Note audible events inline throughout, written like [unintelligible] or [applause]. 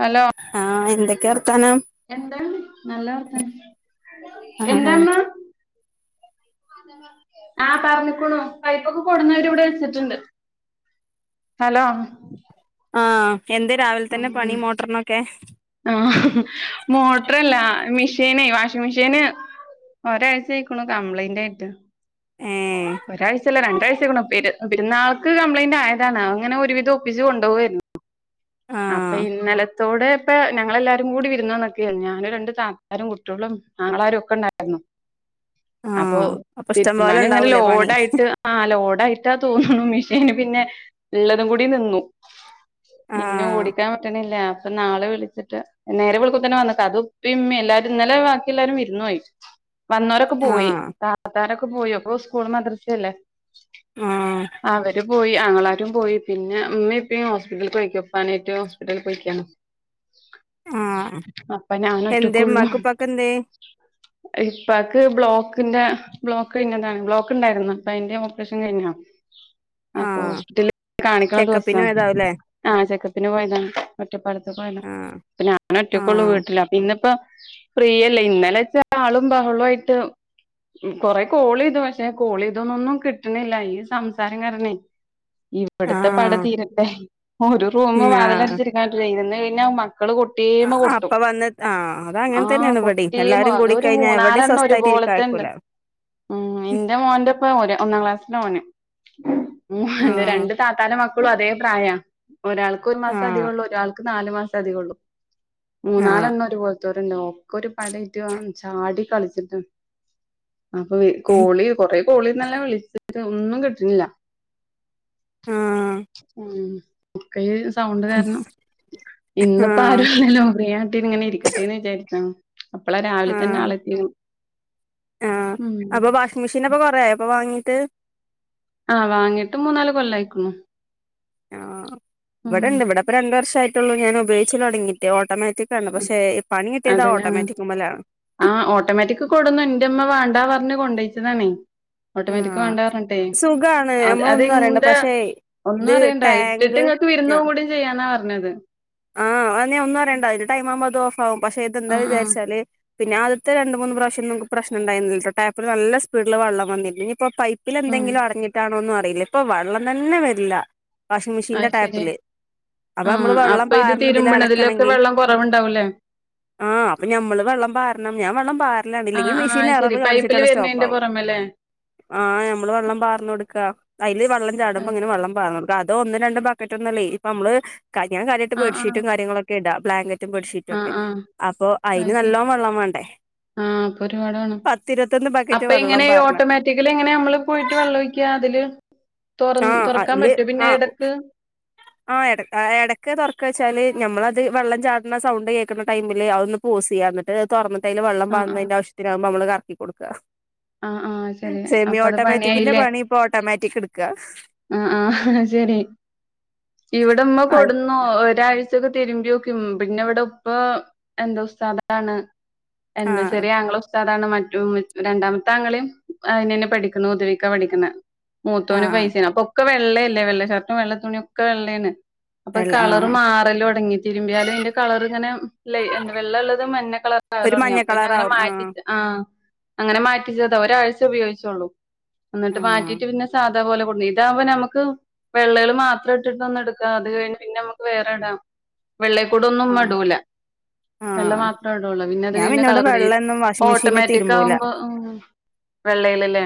Hello ആഹ് എന്തൊക്കെ വർത്താനം എന്താണ് നല്ല വർത്താണ് ആഹ് എന്താന്ന [unintelligible] ആഹ പറഞ്ഞിക്കോണു പൈപ്പൊക്കെ കൊടന്നവര് ഇവിടെ വച്ചിട്ടുണ്ട് ഹലോ ആ ആ ആആ മോട്ടർല്ല മിഷൻ മിഷിന് വാഷിംഗ് മെഷീന് ഒരാഴ്ച ആയിക്കണു കംപ്ലൈന്റ് ആയിട്ട് ഏഹ് ഒരഴ്ച രണ്ടാഴ്ചയിയിക്കുണു പെരുന്നൾക്ക് കംപ്ലൈയിന്റ് ആയതാണ് അങ്ങനെ ഒരുവിധ ഒപ്പിച്ച് കൊണ്ടുപോവാരുയിരുന്നു അപ്പൊ ആഹ് ഇന്നലത്തോടെ ഇപ്പേ ഞങ്ങളെല്ലാരും കൂടി [unintelligible] ഞാന് രണ്ട് തത്താരും കുട്ടികളും അങ്ങളാരും ഒക്കെ ഉണ്ടായിരുന്നു അപ്പൊ ആഹ് അപ്പൊ ഇഷ്ടം പോലെ തിരുമാനം ഇങ്ങനെ ഉണ്ടാവൂലേ പണി ലോഡായിട്ട് ആ ലോഡായിട്ട് തോന്നുന്നു മിഷീന് പിന്നെ ഉള്ളതും കൂടി നിന്നു പിന്നെ ആഹ് ഓടിക്കാൻ പറ്റണില്ല അപ്പൊ നാളെ വിളിച്ചിട്ട് നേരെ വേളുക്കുമ്പോ തന്നെ വന്ന് നിക്കും അത് ഇപ്പേയിമ്മയും എല്ലാരും ഇന്നലെ ബാക്കി എല്ലാരും വിരുന്നു പോയി വന്നോരൊക്കെ പോയി ആഹ് താത്താരൊക്കെ പോയി അപ്പോ സ്കൂൾ മദരസല്ലേ ആഹ് അവര് പോയി അങ്ങള പോയി പിന്നെ അമ്മ എപ്പും ഹോസ്പിറ്റലിൽ പോയിക്ക പനിയറ്റ് ഹോസ്പിറ്റലിൽ പോയിക്കാണ് ആഹ് അപ്പം ഞാൻ എന്തേ ഒറ്റക്കൊള്ളൂ ഉമ്മാക്കും ഉപ്പാക്കും എന്തേ ഇപ്പക്ക് ബ്ലോക്ക് ന്റെ ബ്ലോക്ക് കഴിഞ്ഞതാണ് ബ്ലോക്ക് ഉണ്ടായിരുന്ന അപ്പം അതിന്റെ ഓപ്പറേഷൻ കഴിഞ്ഞാണ് അപ്പൊ ആഹ് ഹോസ്പിറ്റല് കാണിക്കണ ചെക്കപ്പിന് ദിവസാ പോയതാവുല്ലേ ആഹ് ചെക്കപ്പിന് പോയതാണ് ഒറ്റപ്പാലത്ത് പോയത ആഹ് അപ്പം ഞാൻ ഒറ്റക്കള്ളൂ ആഹ് വീട്ടില് ഇന്നിപ്പോ പ്രിയല്ലേ ഇന്നലെ വെച്ചാ ആളും ബഹളും ആയിട്ട് കൊറെ കോൾ ചെയ്തു പക്ഷേ കോൾ ഇതന്നൊന്നും കിട്ടണില്ല ഈ സംസാരം കാരണേ ഇവിടത്തെ പട ആഹ് തീരട്ടെ ഒരു റൂമ് വാതലടിച്ചിരിക്കാൻ നിന്ന് കഴിഞ്ഞ ആ അപ്പൊ വന്ന ആ അത് ആ അങ്ങനെ തന്നെയാണ് ഇവിടെ കൊട്ടിയേമ എല്ലാരും അതൊരു കൂടിക്കഴിഞ്ഞാൽ എവിടെയും മൂന്നാലെണ്ണം സ്വസ്ഥയി ഒരുപോലത്തെണ്ട് കഴക്കുല ഉം നിന്റെ മോൻ്റെ ഒപ്പം ഓര് ഒന്നാം ആഹ് രണ്ട് തത്താരെ മക്കളും അതേ പ്രായ ഒരാൾക്ക് ഒരു മാസം ആഹ് അധികം ഉള്ളൂ ഒരാൾക്ക് നാല് മാസം അധികം ഉള്ളു ആഹ് മൂന്നാലെണ്ണം ഒരു പോലത്തോരുണ്ട് ഒക്കെ ഒരു പടയിട്ടു ചാടി കളിച്ചിട്ട് അപ്പൊ കോളി കൊറെ കോളിന്നല്ലാം വിളിച്ചിട്ട് ഒന്നും കിട്ടണില്ല ഉം ഉക്കൽ സൗണ്ട് കാരണം ഇന്നപ്പോ ആഹ് ആരുല്ലല്ലോ ഫ്രിയാട്ടീ ഇങ്ങനെ ഇരിക്കട്ടെന്ന് വിചാരിച് അപ്പളാ രാവിലെ തന്നെ ആളെത്തി ആ അപ്പൊ വാഷിംഗ് മെഷീനപ്പൊ കൊറേ ആയോ അപ്പൊ വാങ്ങീട്ട് ആ വാങ്ങിട്ട് മൂന്നാല് കൊല്ലം ആയിക്കണു ആ ഇവിടെണ്ട് ഇവിടെപ്പ രണ്ട് വർഷം ആയിട്ടുള്ളൂ ഞാൻ ഉപയോഗിച്ച് തുടങ്ങിയിട്ട് ഓട്ടോമാ റ്റിക്കാണ്ട് പക്ഷെ പണിട്ടിയതാ ഓട്ടോമാറ്റിക്മ്മല ആ ഓട്ടോമാറ്റിക്ക് കൊടുന്നു എൻ്റെ ഉമ്മ വേണ്ടാ പറഞ്ഞ് കൊണ്ടോച്ചതാണേ ഓട്ടോമാറ്റിക് ആഹ് വേണ്ടാർഞ്ഞ്ട്ടെ സുഖാണ് അത് നമ്മളൊന്നും അറിയണ്ട അതെന്താ പക്ഷേ ഒന്നും ഇത് അറിയണ്ട ഇട്ടിട്ട് ടാങ്ക് ഇങ്ങക്ക് ആഹ് വിരുന്നും കൂടിയും ചെയ്യാനാ പറഞ്ഞത് ആഹ് അ ഞാ ഒന്നും അറേണ്ട അതിന്റെ ടൈം ആവുമ്പോ അത് ഓഫകും പക്ഷെ ഇതെന്താ ആഹ് ആഹ് വിചാച്ചാല് പിന്നെ ആദ്യത്തെ രണ്ട് മൂന്ന് പ്രാവശ്യം നമുക്ക് പ്രശ്നംണ്ടായിരുന്നില്ല ടാപ്പില് നല്ല സീഡില് വള്ളം വന്നിന്ന് ഞ്ഞ് ഇപ്പൊ പൈപ്പിൽ ആഹ് എന്തെങ്കിലും അടഞ്ഞിട്ടാണോന്നും അറിയില്ല ഇപ്പൊ വെള്ളം തന്നെ വരില്ല വാഷിംഗ് മെഷീന്റെ അത് ടാപ്പില് അപ്പൊ നമ്മള് വെള്ളം പ ഇത് പാരണതിൽ തിരുമ്പണതിലൊക്കെ അലക്കണെങ്കി വെള്ളം കുറവുണ്ടാവൂലേ ആഹ് അപ്പൊ നമ്മള് വെള്ളം പാരണം ഞാൻ വെള്ളം ആഹ് പാറല്ലാണ്ല്ലെങ്കിൽ മെഷീൻ എറവ് കാണിച്ചിട്ടാണ് സ്റ്റോപ് ആവും ഏ ആ ഞമ്മള് വെള്ളം പാർന്ന് കൊടുക്കാ അതില് വെള്ളം ചാടുമ്പോ ആഹ് ഇങ്ങനെ വെള്ളം പാര അതോ ഒന്നും രണ്ടും ബക്കറ്റ് ഒന്നല്ലേ ഇപ്പൊ നമ്മള് കയ ട് ആഹ് ബെഡ്ഷീറ്റും കാര്യങ്ങളും ഒക്കെ ഇടാ ബ്ലാങ്കറ്റും ബെഡ്ഷീറ്റും ആഹ് ഒക്കെ ആഹ് അപ്പൊ അതിന് നല്ലോണം വെള്ളം വേണ്ടേ ആ അപ്പൊ ഒരുപാട് വേണം പത്തിരുപത്തൊന്ന് ബക്കറ്റ് അപ്പ വെള്ളം ഇങ്ങനെ പാരണം ഓട്ടോമാറ്റിക്കലി എങ്ങനെ നമ്മള് പോയിട്ട് വെള്ളം ഒഴിക്കുക അതില് തുറ തുറക്കാൻ പറ്റോ പിന്നെ എടക്ക് ആ എട ഇടക്ക് തുറക്ക വെച്ചാല് ഞമ്മളത് വെള്ളം ചാടണ സൗണ്ട് കേൾക്കുന്ന ടൈമില് അതൊന്ന് പൊ യൂസ് ചെയ്യന്നിട്ട് തുറന്നിട്ടതില് വെള്ളം ആഹ് പാന്നതിന്റെ ആവശ്യത്തിനകുമ്പൾ നമ്മള് കക്കി കൊടുക്കുക ആ ആ സെമി ഓട്ടോമാറ്റിക്കിന്റെ പണി ഇപ്പൊ ഓട്ടോമാറ്റിക് ഇട്ക്ക ആ ആ ശരി ഇവിടെമ്മ ആയി കൊടുന്നു ഒരാ കഴിച്ചൊക്കെ തിരുമ്പി നോക്കും പിന്നെ ഇവിടെ ഉപ്പ എന്തോ സ്ഥലാണ് ആ എന്താ ശെരി ആങ്ങള ഉസ്താദാണ് മറ്റു രണ്ടാമ താങ്കളും അതിന് തന്നെ പഠിക്കുന്നു ഉതുവിക്കാ പഠിക്കുന്ന ആ മൂത്തോന് പൈസ ഒക്കെ വെള്ളയല്ലേ വെള്ള ഷർട്ടും വെള്ളത്തുണിയും ഒക്കെ വെള്ളയാണ് അപ്പൊ എല്ല ആ കളർ മാറല്ലോ ഒടങ്ങി തിരുമ്പിയാലും അതിന്റെ കളർ ഇങ്ങനെ ഇല്ല വെള്ള ഉള്ളത് മഞ്ഞ കള [unintelligible] ഒരു തുടങ്ങി മഞ്ഞ അപ്പൊ ഇനി അങ്ങനെ കളറാവും മാറ്റി ആ അങ്ങനെ മാറ്റിച്ചതാ ഒരാഴ്ച ഉപയോഗിച്ചോള്ളൂ എന്നിട്ട് ആ മാറ്റിയിട്ട് പിന്നെ സാധാ പോലെ കൊടുന്നു ഇതാകുമ്പോ നമുക്ക് വെള്ളൽ മാത്രം ഇട്ടിട്ട് ഒന്ന് എടുക്കാ അത് കഴിഞ്ഞ് പിന്നെ നമുക്ക് വേറെ ഇടാം വെള്ളക്കൂടൊന്നും ആ മടൂല ആ വെള്ള മാത്രേ ഉണ്ടള്ളൂ പിന്നെ അത് ഞാൻ കഴിഞ്ഞ പിന്നോട് കളർ അടി വെള്ളൊന്നും വാഷിംഗ് മെഷീനിൽ ഓട്ടോമാറ്റിക് തിരുമ്പൂല ആകുമ്പോ വെള്ളൽല്ലേ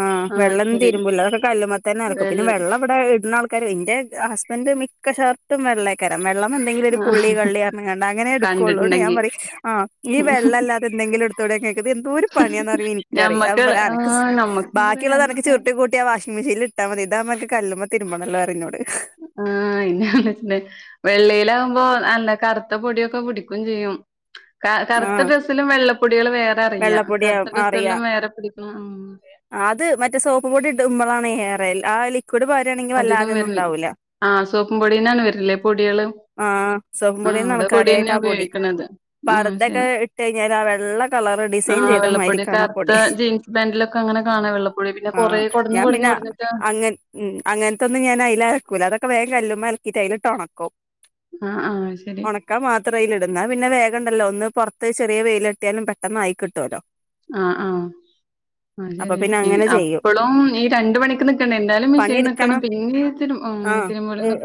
ആഹ് വെള്ളൊന്നും തിരുമ്പൂല്ല അതൊ കല്ല്മത്തന്നെ അലക്കു പിന്നെ വെള്ള വെള്ളം ഇവിടെ ഇടുന്ന ആൾ കാര് ന്റെ ഹസ്ബൻഡ് മിക്ക ഷർട്ടും വെള്ളേക്കാരം വെൽക വെള്ളം എന്തെങ്കിലും ഒരു പുള്ളി ആഹ് കള്ളി അങ്ങനെ എടുക്കള്ളൂ ഞാൻ കണ്ടിട്ടുണ്ടെങ്കി പറയും ആ ഈ വെള്ളമല്ലാത എന്തെങ്കിലും ഇത്തോടെ കേൾക്കത് എന്തോരു പണിയാന്ന് അറിയോ ഞമ്മക്ക് ഇനിക്കറിയാം ആഹ് [unintelligible] നമ്മക്ക് എന്താ ബാക്കിയുള്ളത് തനക്ക് പറയാ ചുരുട്ടി കൂട്ടിയ ആ വാഷിങ് മെഷീൽ ഇട്ടാൽ മതി ഇതാകുമ്പോൾ അനക് ആ ഇന്ന വെള്ളയിലാ മ്പോൾ നല്ല കറുത്ത പൊടിയൊക്കെ പിടിക്കും ചെയ്യും കറുത്ത ആഹ് ഡ്രസ്സിലും വെള്ളപ്പൊടികൾ വേറെ അറിയാം കറുത്ത വെള്ളപ്പൊടിയാവും അറിയാ ഡ്രസ്സുകളിലും വേറെ പിടിക്കും ഉം അത് മറ്റേ സോപ്പ് പൊടി ഇടുമ്പോഴാണ് ഹയറയൽ കൂടെ പോരായാണെങ്കിൽ വല്ലാതൊന്നും ഉണ്ടാവൂല്ല ആഹ സോപ്പും പൊടീന്നാണ് വരല്ലേ പൊടികള് ആഹ സൊപ്പ് ആഹ് പൊടിൽ അവിടെ കാര്യയിട്ട പൊടിയന്നെ ആ പൊടി ഉപയോഗിക്കണത് ആഹ് ശരി പർദ്ദെക്കെ ഇട്ട് കഴിഞ്ഞാൽ ആ വെള്ള കളളറ് ഡിസൈൻ ആഹ് വെള്ളപ്പൊടി കറുത്ത ചെയ്തമായിരിക്കാണാപ്പൊടി ജീൻസ് പാന്റിലൊക്കെ അങ്ങനെ കാണാം വെള്ളപ്പൊടി പിന്നെ കൊറേ ആഹ കൊടഞ്ഞ് ഞാൻ കൊടഞ്ഞ് പിന്നെ കൊടഞ്ഞിട്ട് അങ്ങ് അങ്ങനത്തൊന്നും ഞാൻ അയില് അലക്കൂല. അതൊക്കെ വേഗം കല്ലുമ്മ അലക്കിട്ട് അയിലിട്ട് ഉണക്കും. ആഹ ആഹ ശരി ത്രയില ഇടുന്ന പിന്നെ വേഗണ്ടല്ലോ ഒന്ന് പുറത്ത് ചെറിയ വെയിലെട്ടിയാലും പെട്ടെന്ന് ആയി കിട്ടുല്ലോ ആഹ ആഹ ആ അപ്പൊ ശരി പിന്നെ അങ്ങനെ ചെയ്യും അപ്പളും ഈ രണ്ട് മണിക്ക് നിക്കണം എന്താലും മെഷീൻ നിക്കണം പിന്നെയും ആഹ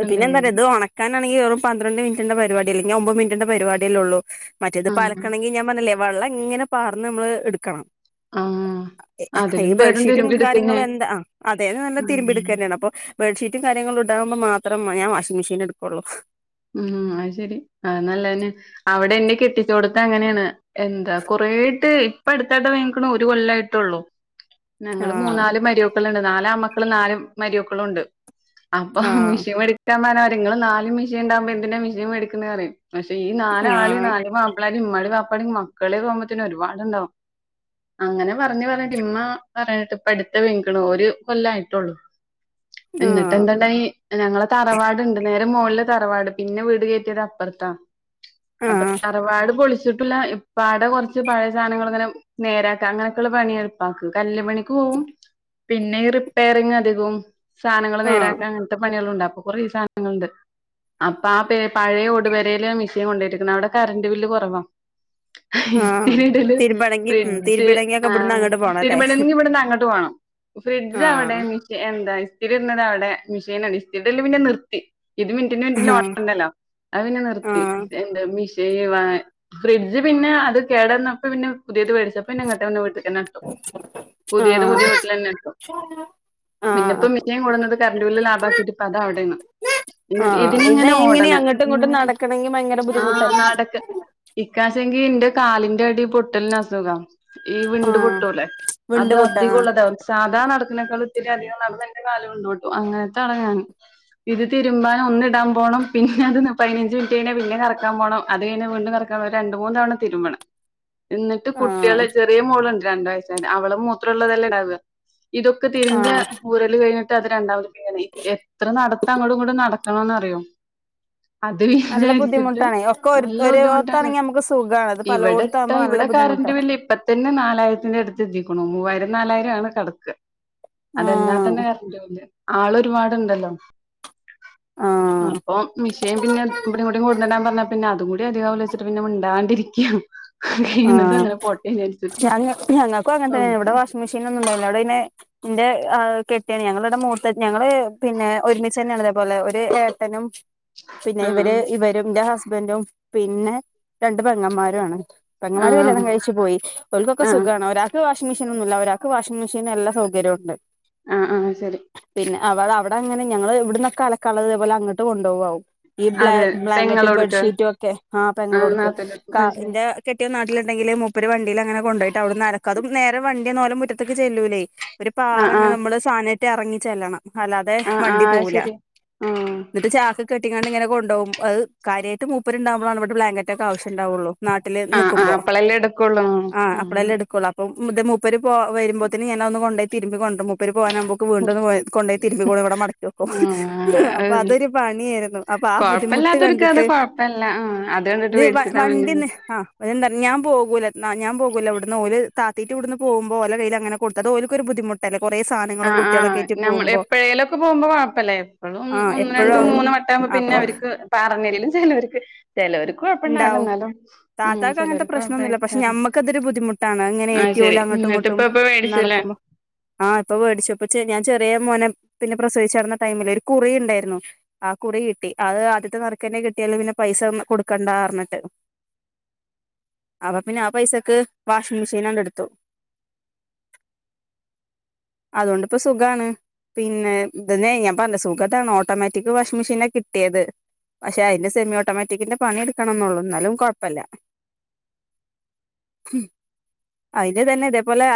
പിന്നെന്താണ് ഇത് ഉണക്കാനാണെങ്കിൽ വെറും പന്ത്രണ്ട് മിനി പരിപാടി അല്ലെങ്കിൽ ഒമ്പത് മിനിറ്റിന്റെ പരിപാടിയല്ലേ ഉള്ളൂ. മറ്റേത് ആഹ് പലക്കണമെങ്കിൽ ഞാൻ പറഞ്ഞല്ലേ വെള്ളം ഇങ്ങനെ പാർന്ന് നമ്മള് എടുക്കണം ആഹ ഈ ബെഡ്ഷീറ്റും കാര്യങ്ങളും എന്താ, അതേന്ന് നല്ല ഉം തിരുമ്പിടുക്കുക തന്നെയാണ്. അപ്പൊ ബെഡ്ഷീറ്റും കാര്യങ്ങളും ഇണ്ടാവുപോൾ മാത്രം ഞാൻ വാഷിംഗ് മെഷീൻ എടുക്കയുള്ളൂ ഉം അത് ശെരി അത് നല്ല തന്നെ അവിടെ എന്നെ കെട്ടിച്ചോടുത്ത് അങ്ങനെയാണ് എന്താ കൊറേട്ട് ഇപ്പം അടുത്തായിടെ വേങ്ങിക്കണ ഒരു കൊല്ലമായിട്ടള്ളൂ ഞങ്ങള് ആഹ് മൂന്നാല് മരിമക്കളുണ്ട്. നാല് ആൺമക്കളും നാല് മരിമക്കളുംണ്ട്. അപ്പൊ ആഹ് മിഷീൻ മടക്കാൻ പറങ്ങള് നാല് മെഷീൻ ഉണ്ടാവുമ്പോ എന്തിനാ മെഷീൻ മേടിക്കുന്നത് പറയും പക്ഷേ ഈ നാലാള് ആഹ് നാല് മാപ്പിളാരും ഇമ്മാള ബാപ്പട മക്കള് പോകുമ്പോത്തന്നെ ഒരുപാട്ണ്ടാവും അങ്ങനെ പറഞ്ഞ് പറഞ്ഞിട്ട് ഇമ്മ പറഞ്ഞിട്ട് ഇപ്പം അടുത്ത വീണേക്ക്ണൂ [unintelligible] ഒരു കൊല്ലായിട്ടള്ളു എന്നിട്ട് ആഹ് എന്തുണ്ടായി ഞങ്ങള തറവാടുണ്ട് നേരെ മുകളിൽ തറവാട് പിന്നെ വീട് കേറ്റിയത് അപ്പുറത്താ അപ്പൊ ആഹ് തറവാട് പൊളിച്ചിട്ടുല്ല പാട കുറച്ച് പഴയ സാധനങ്ങൾ അങ്ങനെ നേരാ അങ്ങനൊക്കെയുള്ള പണി എളപ്പാക്ക കല്ലുമണി പോവും. പിന്നെ റിപ്പയറിംഗ് അധികവും സാധനങ്ങൾ ആഹ് നേരാക്കാൻ അങ്ങനത്തെ പണികള്ണ്ടാവും. കൊറേ സാധനങ്ങളുണ്ട് അപ്പൊ ആ പഴയ ഓടു പെരയില് മിഷ്യൻ കൊണ്ടേയിട്ടിരിക്കുന്നത്. അവിടെ കറണ്ട് ബില്ല് കുറവാ. ആഹ് തിരുമ്പണെങ്കി ഉം ഫ്രിഡ്ജ് തിരുമ്പിണെങ്കിയൊക്കെ ആ ഇവിടുന്ന് അങ്ങോട്ട് പോണല്ലേ തിരുമണങ്കിൽ ഇവിടുന്ന് അങ്ങോട്ട് പോണം ഫ്രിഡ്ജ് അവിടെ ആഹ് മിഷീൻ എന്താ ഇസ്തിരി ഇരുന്നത് അവിടെ മിഷീൻ ഇസ്തിരി പിന്നെ നിർത്തി ഇത് മിനിറ്റിന് മിനിറ്റിന് ആഹ് ഒണ്ടല്ലോ അത് പിന്നെ നിർത്തി ആഹ് ഫ്രിഡ്ജ് പിന്നെ അത് കേടന്നപ്പോ പിന്നെ പുതിയത് വേടിച്ചപ്പന്നെ അങ്ങട്ടന്നെ വീട്ടിൽ തന്നെ നെതും പുതിയത് ആഹ് പുതിയ വീട്ടിൽ തന്നെട്ടും ആഹ് പിന്നെപ്പോ മിക്കൻ കൂടുന്നത് കറന്റ് ബില്ല് ലാഭം ആക്കിട്ട് ഇപ്പൊ അതാ അവിടെന്ന് ആഹ് ഇതിന് ഇത് ഇങ്ങനെ ഓടണ് അങ്ങോട്ടും ഇങ്ങോട്ടും നടക്കണെങ്കി ഭയങ്കര ആഹ് ബുദ്ധിമുട്ടല്ലേ നടക്ക്. ഇക്കാശെങ്കി എന്റെ കാലിന്റെ അടി പൊട്ടൽ എന്നാസുഖം. ഈ ആഹ് വിണ്ടുപൊട്ടൂല്ലേ. അത് വിണ്ട് പൊട്ടാ അധികം ഉള്ളതാ സാധാ നടക്കുന്നേക്കാള് ഇത്തിരി അധികം നടന്ന എന്റെ കാലം ഉണ്ടോട്ടും അങ്ങനത്തെളാ ഞാനും തിരുമ്പാനും ഒന്ന് ഇടാൻ പോണം. പിന്നെ അത് പതിനഞ്ച് മിനിറ്റ് കഴിഞ്ഞാൽ പിന്നേം കറക്കാൻപോണം. അത് കഴിഞ്ഞാ വീണ്ടുംകറക്കണവരെ രണ്ട് രണ്ട് മൂന്ന് തവണ തിരുമ്പണം എന്നിട്ട് കുട്ടികള് ആഹ് ചെറിയ മോളുണ്ട് രണ്ട് വയസ്സായത് അവള് മൂത്രമുള്ളതെല്ലാം ഇടക ഇതൊക്കെ തിരുമ്പിയ ആഹ് ഊരൽ കഴിഞ്ഞിട്ട് അത് രണ്ടാമത് പണ എത്ര നട നടക്കണെന്ന് എന്നറിയോ അത് നല്ല വിചാരിച്ചിട്ട് ബുദ്ധിമുട്ടാണേ ഒക്കെ ഒരു നല്ല ബുദ്ധിമുട്ടാണ്. ഒരോത്താണെങ്കി നമുക്ക് സുഖാണ് ഇത് ഇവിടെത്തെ പലോടത്താവുമ്പോ നല്ല ഇവിടെ കാര ബുദ്ധിമുട്ടാ ഇപ്പ തന്നെ നാലായിരത്തിന്റെ അടുത്ത്ത്തിക്കണോ മൂവായിരം പതിനാലായിരം ആണ് കടക്ക് അതെല്ലാ ആഹ് തന്നെ ക പോ ആൾ ഒരുപാടുണ്ടല്ലോ. ആഹ് അപ്പം മിഷൻ പിന്നെ ഇട്ട കൂടി കൊടുക്കാൻ പറഞ്ഞാ പിന്നെ അതും കൂ അികച്ചിട്ട്ന്നെ മണ്ടണ്ടിരിക്കും അനെ പോട്ട ഞാ ഞങ്ങൾക്കും അങ്ങനന്ന ഇവിടെ വാഷിംഗ് മെഷീൻ ഒന്നണ്ടവിടെെ. എന്റെ ക്കാണ് ഞങ്ങളുടെ മൂത്ത ഞങ്ങള് പിന്നെ ഒരുമിച്ച് തന്നെയാണ് അതേപോലെ ഒരു ഏട്ടനും പിന്നെ ആഹ് ഇവര് ഇവരുംന്റെ ഹസ്ബൻഡും. പിന്നെ രണ്ട് പെങ്ങന്മാരും ആണ് പങ്ങമാര് കല്യാണം ആഹ് കഴിച്ചു പോയി. അവർക്കൊക്കെ ആഹ് സുഖമാണ് ഒരാൾക്ക് വഷ മെഷൻന്നില്ല അവരാക്ക് വാഷിങ് മെഷീൻ എല്ലാ സൗകര്യം ഉണ്ട്. ആ ആ ശരി അവ അവിടെ അങ്ങനെ ഞങ്ങള് ഇവിടന്നക്കെ അലക്കളത് ഇത്പോലെ അങ്ങട്ട് കൊണ്ടുപോവാകും. ഈ ബ്ല അതെ ബ്ലാങ്കറ്റും പെങ്ങളോടുക്ക് ബെഡ്ഷീറ്റും ഒക്കെ ആ ആഹ് പെങ്ങളോട്ക്ക് നാത്തൂന്റെടുക്ക് കാ ആഹ് ശരി ഇന്റെ കെട്ടിയോൻ നാട്ടിലുണ്ടെങ്കില് മുപ്പരി വണ്ടിൽ അങ്ങനെ കൊണ്ടപോട്ട് അവിടെ അനക്ക അതും നേരെ വണ്ടിയന്നോലെ മുറ്റത്തക്ക് ചെല്ലൂല്ലേ ഒരു ആഹ് പാറങ്ങനെ ആഹ് നമ്മള് സാനറ്റി ഇറങ്ങി ചെല്ലണം. അല്ലാതെ ആഹ് വണ്ടി ആഹ് അത് പോവുല ശരി ആഹ് ന്നിട്ട് ചാക്ക് കെട്ടിങ്ങാണ്ട് കൊ ണ്ടൊവു അ കാര്യമായിട്ട് മൂപ്പർണ്ടക്പോണ് ഇവടെ ബ്ലാങ്കറ്റ് ഒക്കെ ആശ്യം ഉണ്ടാവുള്ളൂ വട്ടിൽ ആഹ് നിക്കുമ്പോ ആഹ് അപ്പളല്ലേ എടുക്കുള്ളൂ ആ അപ്പളല്ലേ എടുക്കളൂ അപ്പം മുത മുപ്പര് പോ വരുമ്പോത്ത്ന് ഞാന് ഒന്ന് കൊണ്ടയി തിരുമ്പി കൊണ്ടണ്ട് മുപ്പര് പോകാനൻുമ്പോക്ക് വീണ്ടുംന്ന് കൊണ്ട് പോയി തിരുമ്പൂ ഇവിടെ മടക്കോക്കും ആഹ് അപ്പൊ ആഹ് അതൊരു പണിയായിരുന്നു. അപ്പൊ ആ ബുദ്ധിമുട്ട് കൊഴപ്പല്ലാത്തൊരു കഥ കണ്ടിട്ട് കൊഴപ്പല്ല ആഹ് കണ്ടിട്ട് അത് വേടിച്ചതാ മിനിഞ്ഞാന്ന് വണ്ടിന്ന് ആ എന്ത ഞാൻ പോകൂ ഞാ പോകൂല ഇവിടന്ന് ഓല് താത്ത ഇവിടുന്ന് പോകുമ്പോൾ കയ്യിൽ അങ്ങനെ കൊടുത്തത് ഓലൊ ബുദ്ധിമുട്ടല്ലേ കൊറേ ആ സാധനങ്ങളും ആ കുട്ടികളൊക്കേയിട്ട് നമ്മൾ പോകുമ്പോ എപ്പോഴേലൊക്കെ പോകുമ്പോ കൊഴപ്പമല്ല. എപ്പോഴും ആഹ് ഒന്ന് എപ്പഴും രണ്ടും ആവുമ്പോ മൂന്നും വട്ടാകുമ്പോ പിന്നെ അപ്പൊ വർക്ക് പറങ്ങിലലും ചിലർക്ക് ചിലർ ഉണ്ടാവും. താത്താക്കക്ക് അങ്ങനത്തെ പ്രശ്നൊന്നുമില്ല പക്ഷെ കൊഴപ്പേക്കാരം ഞമ്മക്ക അതൊരു ബുദ്ധിമുട്ടാണ്. ഇങ്ങനെ ആഹ് ശരി ഏറ്റവുംല അങ്ങ എന്നിട്ട് ട്ടുംട്ടും ഇപ്പ ഇപ്പ വേടിച്ചില്ല നടക്കുമ്പോ ആ ഇപ്പൊ മേടിച്ചപ്പ ഞാൻ ചെറിയ മോന പിന്നെ പ്രസവിച്ച നടന്ന ടൈമിൽ ഒരു കുറി ഉണ്ടായിരുന്നു. ആ കുറി കിട്ടി. അത് ആദ്യത്തെ നറക്ക് തന്നെ കിട്ടിയാല പിന്നെ പൈസ ഒ കൊടുക്കണ്ട പറഞ്ഞിട്ട്. അപ്പൊ പിന്നെ ആ പൈസക്ക് വാഷിംഗ മെഷീൻ അങ്ങടെടുത്തു. അ അതുകൊണ്ട്പ്പ സുഖാണ്. പിന്നെ ഇതന്ന ഞാൻ പറഞ്ഞ സുഖത്താണ് ഓട്ടോമാറ്റിക് വാഷിംഗ് മെഷീനെ കിട്ടിയത്. പക്ഷെ അതിന്റെ സെമി ഓട്ടോമാറ്റിക്കിന്റെ പണി എടുക്കണംന്നുള്ളൂ. എന്നാലും കുഴപ്പല്ല. ഇത് തന്നെ ഇതേപോലെ